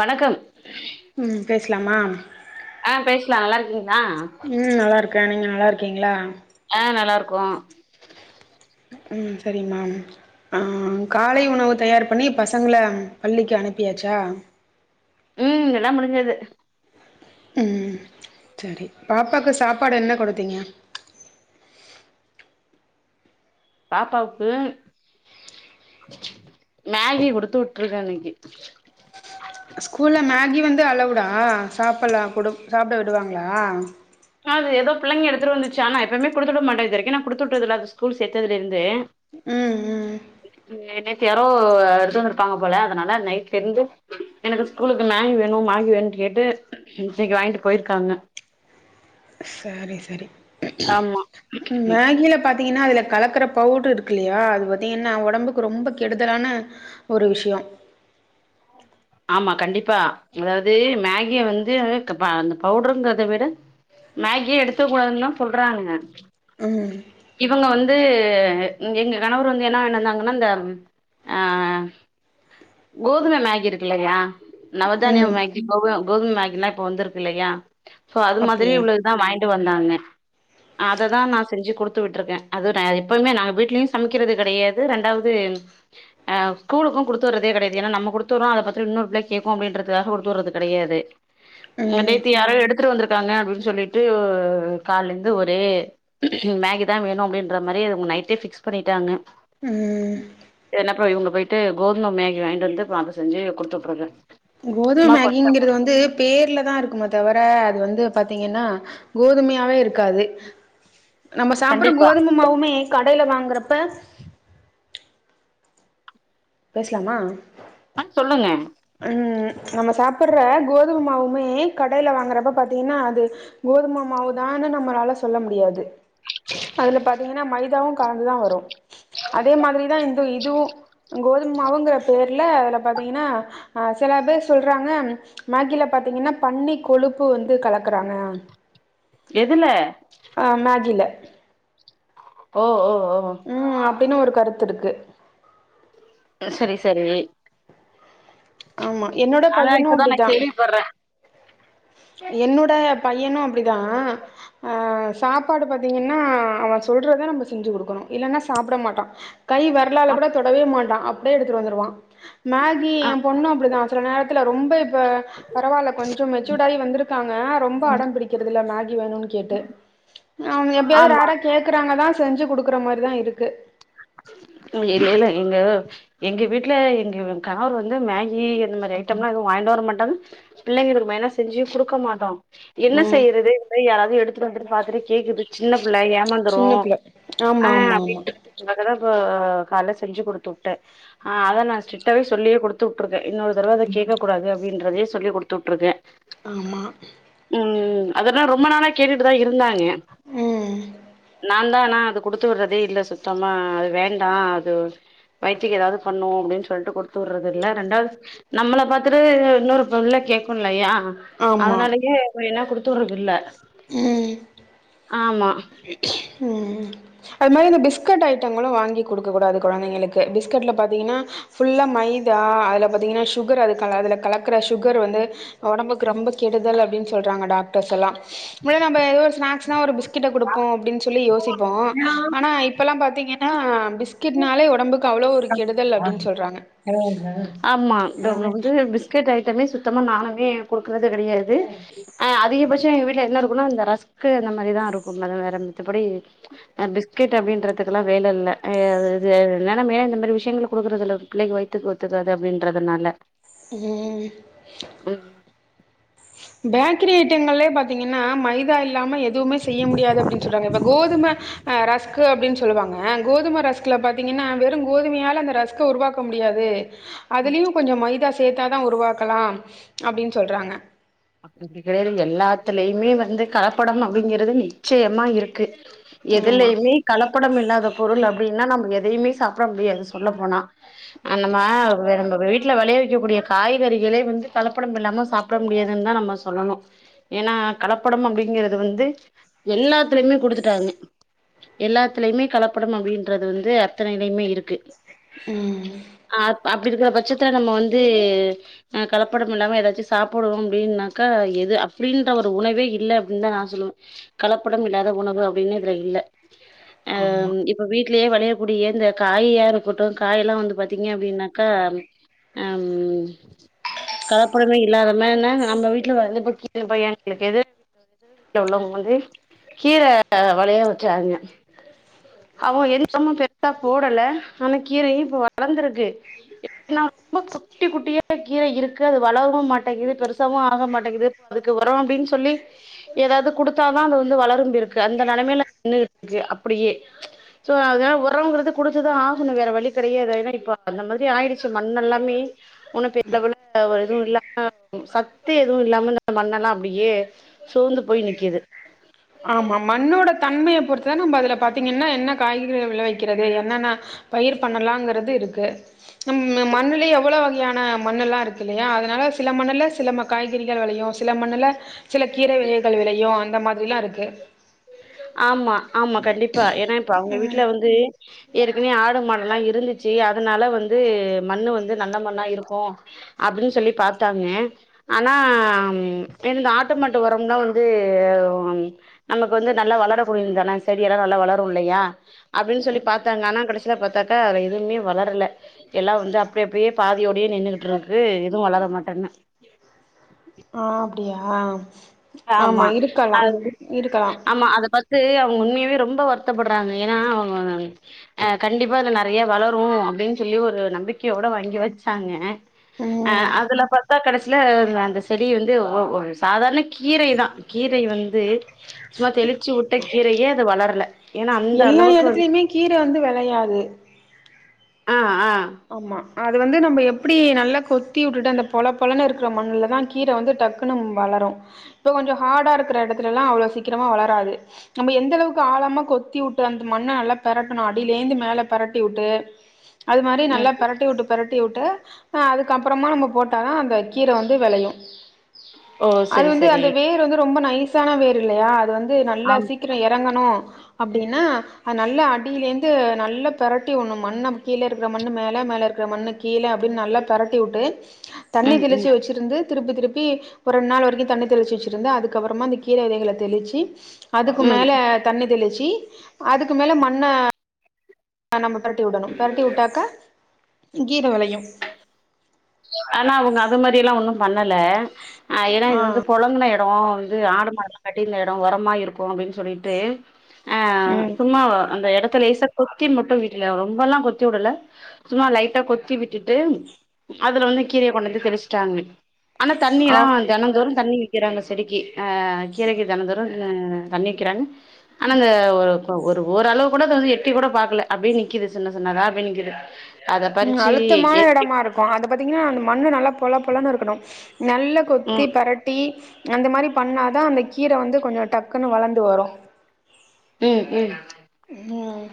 வணக்கம் ம் பேசலாமா ஆ பேசலா நல்லா இருக்கீங்களா ம் நல்லா இருக்கே நீங்க நல்லா இருக்கீங்களா ஆ நல்லா இருக்கோ ம் சரிங்க மேம் ஆ காலை உணவு தயார் பண்ணி பசங்கள பள்ளிக்கு அனுப்பியாச்சா ம் எல்லா முடிஞ்சது ம் சரி பாப்பாக்கு சாப்பாடு என்ன கொடுத்தீங்க பாப்பாவுக்கு மேகி குடுத்து விட்டுருக்கே இன்னக்கி ஸ்கூல்ல மேகி வந்து அளவுடா சாப்ட்லா கொடு சாப்ட விடுவாங்களா அது எதோ பிள்ளைங்க எடுத்துட்டு வந்துச்சி ஆ நா எப்பயுமே குடுத்துட மாட்டே இது வரைக்கு நா குடுத்துட்டதுல்ல அது ஸ்கூல் சேத்ததுல இருந்தே ம் ம் நேத்து யாரோ எடுத்து வந்துருப்பாங்க போல அதனால நைட்ல இருந்து எனக்கு ஸ்கூலுக்கு மேகி வேணு மேகி வேணுன்னு கேட்டு இன்னக்கி வாங்கிட்டு போயிருக்காங்க சரி சரி ஆமா ம், மேகில பாத் தீங்கன்னா அதுல கலக்கற பவுடரு இருக்கு இல்லையா அது பாத்தீங்கன்னா ஒடம்புக்கு ரொம்ப கெடுதலான ஒரு விஷயோ ஆமா கண்டிப்பா அதாவது மேகிய வந்து அந்த அந்த பவுடருங்கிறத விட மேகிய எடுத்துக்க கூடாதுன்னு தா சொல்றானுங்க ம் இவங்க வந்து எங்க கணவர் வந்து என்ன வாங்கிட்டு வந்தாங்கன்னா இந்த ஆ கோதும மேகி இருக்கு இல்லையா நவதானியம் ம் மேகி கோ கோதும மேகில்லா இப்ப வந்துருக்கு இல்லையா சோ அது மாதிரி அப்டியா உள்ளது தா வாங்கிட்டு வந்தாங்க அததா நா செஞ்சி குடுத் குடுத்து விட்டுருக்கே அது நா எப்பயுமே நாங்க வீட்லயு சமைக்கிறது கெடையாது ரெண்டாவது ஆ ஸ்கூலுக்கு குடுத்து விடுறதே கெடயாது ஏன்னா நம்ம குடுத்து விடுறோ அத பாத்து இன்னொரு புள்ள கேக்கு அப்டின்றதுக்காக குடுத்து விடுறது கெடையாது ம் நேத்து யாரோ எடுத்துட்டு வந்திருக்காங்க அப்டின்னு சொல்லிட்டு காலேல இருந்து ஒரே மேகி தா வேணு அப்டின்ற மாரி அது அவுங்க நைட்டே பிக்ஸ் பண்ணிட்டாங்க ம் என்னப்ப இவுங்க போயிட்டு கோதும மேகி வாங்கிட்டு வந்து பாத்து செஞ்சி குடுத்து வுட்ருக்கு கோதும மேகிங்கிறது வந்து பேர்லதா இருக்குமே தவர அது வந்து பாத்தீங்கன்னா கோதுமையாவே இருக்காது நம்ம சாப்டுற கண்டிப்பா கோதும மாவுமே கடேல வாங்குறப்ப பேசலாமா ஆ சொல்லுங்க ம் நம்ம சாப்டுற கோதும மாவுமே கடேல வாங்குறப்ப பாத்தீங்கன்னா அது கோதுமமாவுதான்னு நம்மளால சொல்ல முடியாது அதுல பாத்தீங்கன்னா மைதாவு கலந்துதா வரு அதே மாதிரிதா இந்த இதுவு கோதுமமாவுங்கிற பேர்ல அதுல பாத்தீங்கன்னா ஆ சில பேர் சொல்றாங்க மேகில பாத்தீங்கன்னா பன்னி கொழுப்பு வந்து கலக்குறாங்க எதுல ஆ மேகில ஓ ஓ ஓ ம் அப்டின்னு ஒரு கருத்து இருக்கு சரி சரி ஆமா என்னோட ஆனா பையனு இப்பதா நா அப்டிதான் கேள்விப்பட்றே என்னோட பையனு அப்டிதா ஆ சாப்பாடு பாத்தீங்கன்னா அவ சொல்றதா நம்ம செஞ்சு குடுக்கணு இல்லன்னா சாப்பிட மாட்டா கை வெரலால அப் கூட தொடவே மாட்டா அப்டியே எடுத்துட்டு வந்துருவா மேகி ஆ பொண்ணு அப்டிதா சில நேரத்துல ரொம்ப இப்ப பரவாயில்ல கொஞ்சோ மெச்சூடாயி வந்திருக்காங்க ரொம்ப அடம் பிடிக்கிறது இல்ல மேகி வேணுன்னு கேட்டு அவங்க எப்பயாவது ஆமா ரேரா கேக்குறாங்கதா செஞ்சு குடுக்குற மாரிதா இருக்கு இல்லல்ல எங்க எங்க வீட்ல எங்க கணவர் வந்து மேகி இந்த மாரி ஐட்டம்லா எதுவு வாங்கிட்டு வர மாட்டாரு பிள்ளைங்களுக்கு மெய்னா செஞ்சுயு குடுக்க மாட்டோ என்ன ம் செய்யறது இந்த மாரி யாராவது எடுத்துட்டு வந்தது பாத்துட்டு கேக்கது சின்ன புள்ள ஏமாந்துரு சின்ன பிள்ள ஆ ஆமா ஆமா அப்டின்ற அதால இப்ப கால்ல செஞ்சு குடுத்து வுட்டே ஆ அத நா ஸ்ரிக்டாவே சொல்லியே குடுத்து வுட்டு இருக்கே இன்னொரு தடவ கேட்கக் கூடாது அப்டின்றதே சொல்லி குடுத்து விட்டுருக்கே ஆமா ம் அதெல்லா ரொம்ப நாளா கேட்டுட்டுதா இருந்தாங்க ம் நா தா ஆனா அது குடுத்து விட்றதே இல்ல சுத்தமா அது வேண்டா அது வயித்துக்கு எதாவது பண்ணு அப்டின்னு சொல்ட்டு குடுத்து விட்றது இல்ல ரெண்டாவது நம்மள பாத்துட்டு இன்னொரு புள்ள கேக்கும்ல்லயா ஆமா அதனாலயே இப்டி எல்லா குடுத்து விட்றது இல்ல ம் ஆமா ம் அது மாரி இந்த பிஸ்கட் ஐட்டங்களு வாங்கி குடுக்க கூடாது கொழந்தைங்களுக்கு பிஸ்கட்ல பாத்தீங்கன்னா ஃபுல்லா மைதா அதுல பாத்தீங்கன்னா சுகர் அதுக் கல அதுல கலக்குற சுகர் வந்து ஒடம்புக்கு ரொம்ப கெடுதல் அப்டின்னு சொல்றாங்க டாக்டர்ஸ் எல்லா நம்ம ஏதோ ஒரு ஸ்நாக்ஸ்னா ஒரு பிஸ் கட்ட குடுப்போ அப்டின்னு சொல்லி யோசிப்போ ஆனா இப்பெல்லா பாத்தீங்கன்னா பிஸ் பிஸ்கெட்னாளே ஒடம்புக்கு அவ்ளோ ஒரு [unintelligible] கெடுதல் அப்டின்னு [unintelligible] சொல்றாங்க ஆமா [unintelligible] வந்து பிஸ்கட் ஐட்டமே சுத்தமா நானுமே குடுக்கறது கெடையாது ஆ அதிகபட்சோ எங்க வீட்ல என்ன இருக்குனா அந்த ரஸ்க்கு அந்த மாரிதா இருக்கு வேற மத்தபடி பிஸ்கட் அப்டின்றதுக்கு எல்லா வேல இல்ல அது இதெல்லா நம்ம ஏ இந்த மாரி விஷயங்கள் குடுக்குறது இல்ல பிள்ளைக்கு வயித்துக்கு ஒத்துக்காது அப்டின்றதுனால ம் ம் பேக்கரி ஐட்டங்கள்லயே பாத்தீங்கன்னா மைதா இல்லாம எது எதுவுமே செய்ய முடியாது அப்டின்னு சொல்றாங்க இப்ப கோதும ஆ ரஸ்க்கு அப்டின்னு சொல்லுவாங்க கோதும ரஸ்க்குல பாத்தீங்கன்னா வெறு கோதுமையால அந்த ரஸ்க உருவாக்க முடியாது அதுலேயு கொஞ்சோ மைதா சேத்தா தா உருவாக்கலா அப்படின்னு சொல்றாங்க அப்டிப்பிடி கெடையாது எல்லாத்துலயுமே வந்து கலப்படம் அப்டிங்கிறது நிச்சயமா இருக்கு ஆமாம் எதுலயுமே கலப்படம் இல்லாத பொருள் அப்டின்னா நம்ம எதையுமே சாப்பிட முடியாது சொல்ல போனா ஆ நம்ம வெ நம்ம வெளி வீட்ல வெளைய வைக்கக்கூடிய காய்கறிகளே வந்து கலப்படம் இல்லாம சாப்பிட முடியாதுன்னு தா நம்ம சொல்லணு ஏன்னா கலப்படம் அப்டிங்குறது வந்து எல்லாத்துலயுமே குடுத்துட்டாங்க எல்லாத்துலயுமே கலப்படம் அப்டின்றது வந்து அத்தனையிலையுமே இருக்கு ம் ஆ அப்டி இருக்கிற பட்சத்துல நம்ம வந்து கலப்படம் இல்லாம ஏதாச்சும் சாப்பிடுவோம் அப்டின்னாக்கா எது அப்டின்ற ஒரு உணவே இல்ல அப்டின்னு தா நா சொல்லுவே கலப்படம் இல்லாத உணவு அப்டின்னு இதுல இல்ல ஆமாம் அஹ் இப் ப வீட்லயே வெளையக்கூடிய இந்த காயியா இருக்கட்டும் காய் எல்லா வந்து பாத்தீங்க அப்டின்னாக்கா ஹம் கலப்படமே இல்லாத மாரினா நம்ம வீட்ல வந்து இப்போ கீழ பையங்களுக்கு எது உள்ளவங்க வந்து கீரை வளையா வச்சாங்க அவொங்க எந்தரோம பெருசா போடல ஆனா கீரையு இப்ப வளர்ந்திருக்கு எப்டினா ரொம்ப குட்டி குட்டியா கீரை இருக்கு அது வளரவும் மாட்டேங்கீது பெருஸ் சாவும் ஆக மாட்டேங்குது அதுக்கு வெரோ அப்டின் சொல்லி ஏதாவது குடுத்தாதா அது வந்து வளரும்பி இருக்கு அந்த நெலமயில நின்னுகிட்ருக்கு அப்படியே சோ ஆக வொரோங்றது குடுத்துதா ஆகணு வேற வழி கிடையாது ஏனா இப்போ அந்த மாரி ஆயிடுச்சு மண்ணல்லாமே வொன்னு பெரி லெவல ஒரு இதுவு இல்ல ஆ சத் த்து எதுவு இல்லாம மண்ணெல்லா அப்டியே சோந்து போய் நிக்கிது ஆமா மண்ணோட தன்மையை பொறுத்துதா நம்ம அதுல பாத்தீங்கன்னா என்ன காய்கறிகள் விளை வெக்கிறது என்னன்னா பயிர் பண்ணலாங்கிறது இருக்கு நம் மண்ணுலயே எவ்வளவு வகையான மண்ணல்லா இருக் இல்லையா அதனால சில மண்ணுல சிலம காய்கறிகள் விளையும் சில மண்ணுல சில கீரை வகைகள் விளையும் அந்த மாதிரில்லா இருக்கு ஆமா ஆமா கண்டிப்பா ஏன்னா இப்ப அவங்க வீட்டுல வந்து ஏற்கனவே ஆடு மாடெல்லா இருந்துச்சி அதனால வந்து மண்ணு வந்து நல்ல மண்ணா இருக்கு அப்டின் சொல்லி பாத்தாங்க ஆனாம் எந்த ஆட்டு மாட்டு உரம்லா வந்து இப்ப வந்து நல்லா வளரக்கூடியது தானே செடி எல்லா நல்லா வளரு இல்லையா அப்டின் சொல்லி பாத்தாங்க ஆனா கடைசில பாத்தாக்கா எதுவுமே வளரல எல்லா வந்து அப்டி அப்டியே பாதியோடயே நின்னுகிட்டு இருக்கு எதுவு வளர மாட்டன்னு ஆஹ் அப்டியா ஆமா அதுவு இருக்கலாம் ஆமா அத பத் து அவங்க உண்மையாவே ரொம்ப வருத்தப்படுறாங்க ஏனா அவங்க அஹ் கண்டிப்பா இது நெறைய வளரும் அப்டின்னு சொல்லி ஒரு நம்பிக்கையோட வாங்கி வச்சாங்க அஹ் ம் அதுல பாத்தா கடைசியில அந்த செடி வந்து வ வ சாதாரண கீரை தா கீரை வந்து சும்மா தெளிச்சு வுட்ட கீரையே அது வளரல ஏன்னா அந்த எல்லா அளவுக்கு வந்து எடத்துலயுமே கீரை வந்து விளையாது ஆஹ் ஆஹ் ஆமா அது வந்து நம்ம எப்டி நல்லா கொத்தி வுட்டுட்டு அந்த பொழப்பொழன்னு இருக்குற மண்ணுலதா கீரை வந்து டக்குன்னு வளரும் இப்போ கொஞ்சம் ஹார்டா இருக்கிற எடத்துலலா அவ்ளோ சீக்கரமாக வளராது நம்ம எந்த அளவுக்கு ஆழமா கொத்திவுட்டு அந்த மண்ண நல்லா பெரட்டணு அடியிலேந்து மேல பெரட்டிவுட்டு அது மாரி நல்லா ம். பெரட்டிவுட்டு பெரட்டிவுட்டு அதுக்கு அப்பறமா நம்ம போட்டாதா அந்த கீரை வந்து வெளையும் ஓ அது சரி வந்து சரி அந்த வேர் வந்து ரொம்ப நைஸான வேர் இல்லையா அது வந்து நல்லா ஆம் சீக் கிறோ எறங்கணு அப்டினா அது நல்லா அடியிலேந்து நல்லா பெரட்டிவுன்னோ மண்ண கீழ இருக்கற மண் ணு மேல மேல இருக்கற மண்ணு கீழ அப்பின்னு நல்லா பெரட்டிவுட்டு தண்ணி ம் தெளிச்சி ம் வெச்சிருந்து திருப்பி திருப்பி ஒரு ரெண்நாள் வெரிக்கும் தண்ணி தெளிச்சு வெச்சிருந்து அதுக்க அப்பறமா அந்த கீரை வெதைகள தெளிச்சி அதுக்கு ம் மேல தண்ணி தெளிச்சி அதுக்கு மேல மண்ண நம்ம பெரட்டி விடணு பெரட்டி வுட்டாக்கா கீர வெளயு ஆனா அவுங்க அது மாரியல்லா ஒன்னு பண்ணல ஆ ஏனா இது வந்து பொழங்குன எட் அப்றோ வந்து ஆடு மாடெல்லா கட்டிர்ந்த எடோ ஒரமா இருக்கு அப்டின் சொல்லிட்டு ஆ ம் சும்மாவ அந்த எடத்த லேசா கொத்தி மட்டு வீடல ரொம்பலா கொத்தி வுடுல சும்மா லைட்டா கொத்தி விட்டுட்டு அதுல வந்து கீரய கொண்டந்து தெளிச்சிட்டாங்க ஆனா தண்ணிலா ஆப் தெனந் தோறு தண்ணி வக்கிறாங்க செடிக்கு ஆ கீரக்கி தெனந் தோரு தண்ணிக்கிறாங்க ஆன இந்த ஒ ப்ப ஒரு ஓர்ளவு கூட அத வந்து எட்டி கூட பாக்ல அப்டியே நிக்குது சின்ன சின்னதா அப்பியே நிக்குது அத ம் பறிச்சு அழுத்தமான எ எடமா இருக் கோ அது பாத்தீங்கனா அந்த மண்ணு நல்லா பொல பொலனு இருக்குணு நல்ல கொத்தி ம் பெரட்டி அந்த மாரி பண்ணா தா அந்த கீர வந்து கொஞ்சோ டக்குனு வளந் ந்து வரு ம் ம் ம்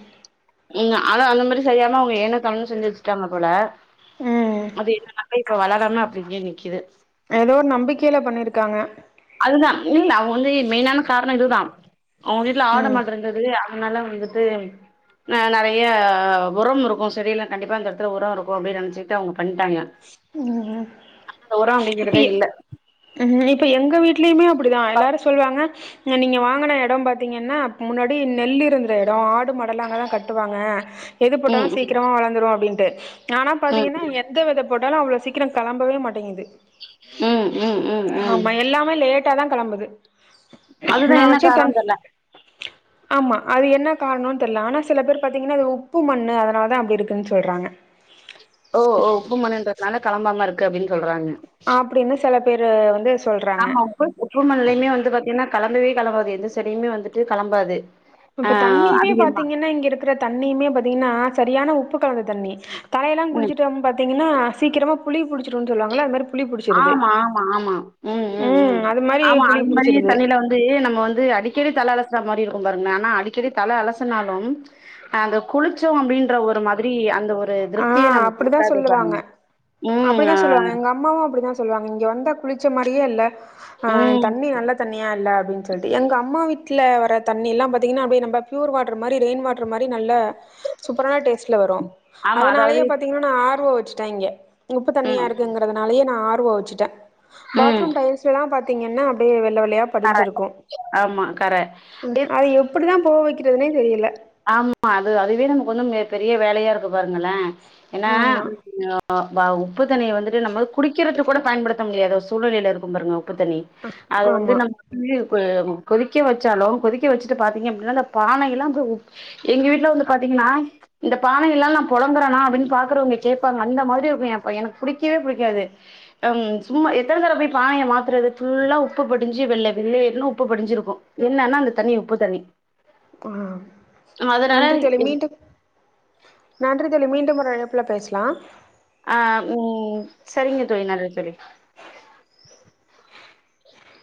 ம் அத அந்த மாரி செய்யாம அவுங்க ஏனோ தானோனு செஞ்சு வச்சுட்டாங்க போல ம் அது என்னனாக்க இப்ப வளரமா அப்டிங்கே நிக்குது ஏதோ ஒர் நம்பிக்கையில பண்ணிருகாங்க அதுதா இல்ல அவுங்க வந்து மெயினான காரணோ இதுதா அவுங்க வீட்ல ஆடு ம் மாட்றுந் ந்துது அதனால வந்துட்டு அ நெறைய உரம் இருக்கு செடியெல்லா கண்டிப்பா இந்த எடத்துல உர இருக்கு அப்டினு நெனச்சிட்டு அவுங்க பண்ணிட்டாங்க ம் அங்க உரோ அப்டிங்கிறதே இல்ல ம்ஹீம் இப்ப எங்க வீட்லயுமே அப்டிதா எல்லாரு சொல்வாங்க நீங்க வாங்ன எடோ பாத்தீங்கனா முன்னாடி நெல் இருந்திற எடோ ஆடு மாட்லா அங்க தா கட்டுவாங்க எது ம் போட்டாலு சீக்கிரமா வளந்துரு அப்டின்ட்டு ஆனா ம் பாத்தீங்கனா எந்த வித போட்டாலு அவ்ளோ சீக்கிரோ கெளம்பவே மாட்டேங்குது ம் ம் ம் ம் ஆமா எல்லாமே லேட்டா தா கெளம்புது அதுதா நா என்ன வச்ச தென் காரணோன்னு தெர்ல ஆமா அது என்ன கார்ணோனு தெரில ஆனா சில பேரு பாத்தீங்கனா அது உப்பு மண்ணு அதனாலதா அப்டி இருக்குனு சொல்றாங்க ஓ ஓ உப்பு மண்ணுன்றத்துனால கெளம்பாம இருக்கு அப்டினு சொல்றாங்க அப்டினு செல பேரு வந்து சொல்றாங்க போய் உப்பு மண்லயுமே வந்து பாத்தீங்கனா கெளம்பவே கெளம்பாது எந்த செடியுமே வந்துட்டு கெளம்பாது இப்ப தண்ணியுமே பாத்தீங்கனா இங்க இருக்குற தண்ணியுமே பாத்தீங்கனா சரியான உப்பு கலந்த தண்ணி தலயெலா குளிச்சுட்டு ம் பாத்தீங்கனா சீக்கிரமா புளி புடிச்சிரு சொல்வாங்ளா அது மார் ஆமா ஆமா ஆமா ம் ம் ம் அது மாரி ஆமா புளி அது மாரி புடிச்சிருது தலேல வந் து நம்ம வந்து அடிக்கடி தல அலசுற மாரி இருக்கு பாருங்களே ஆனா அடிக்கடி தல அலசுனாலும் அந்த குளிச்சோ அப்டின்ற ஒரு மாதிரி அந்த ஒர் ஆ அப்டிதா சொல்லுவாங்க ம் அப்டிதா ஆ சொல்வாங்க எங்க அம்மாவு அப்டிதா சொல்வாங்க இங்க வந்தா குளிச்ச மாரியே இல்ல அ ம் தண்ணி நல்ல தண்ணியா இல்ல அப்டின் சொல்லி எங்க அம்மா வீட்ல வர தண்ணியெல்ல பாத்தீங்கன அப்டியே நம்ம பியூர் வாட்டர் மாரி ரெயின் வாட் ட்று மாரி நல்ல சூப்பரான டேஸ்ட்ல வரு ஆமா அதாவது அதனாலயே பாத்தீங்கனா நா ஆர் ஓ வச்சுட்ட இங்க உப்பு தண்ணியா ம் இருக்குங்குறது னாலயே நா ஆர் ஓ வச்சுட்ட ம் பாத்ரூம் டைல்ஸ்லால பாத்தீங்கன அப்டியே வெள்ள வெள்ளையா படிஞ்சிருக்கு ஆமா கர அது எப்புடிதா போவ வெக்கிறதுனே தெரில ஆமா அது அதுவே நமக்கு வந்து மிக பெரிய வேலயா இருக்கு பாருங்களே ஏனா ஆமா அ வ உப்பு தண்ணிய வந்துட்டு நம்ம குடிக்கிறதுக்கு கூட பயன்டுத்த முடியாத ஒரு சூழ்நிலே இருக்கு பாருங்க உப்பு தண்ணி அது வந்து ஆமா நம் தண்ணிய இப்ப கொதிக்க வச்சாலு கொதிக்க வச்சுட்டு பாத்தீங்க அப்டினா அந்த பானையெல்லா அப்டியே உப் எங்க வீட்டுல வந்து பாத்தீங்னா இந்த பானைெல்லா நா பொழங்குறனா அப்டினு பாக்குறவங்க கேப்பாங்க அந்த மாரி இருக்கு என் எனக்கு புடிக்கவே புடிக்காது அ ம் சும்மா எத்தன தறவ போய் பானைய மாத்துறது ஃபுல்லா உப்பு படிஞ்சி வெள்ள வெளேர்னு உப்பு படிஞ்சிருக்கு என்னன்னா அந்த தண்ணி உப்பு தண்ணி ஆ அதனால நன்றி தோழி மீண்டும் நன்றி தோழி மீண்டும் ஒரு அழைப்புல பேசலா ஆ ம் சரிங்க தோழி நன்றி தோழி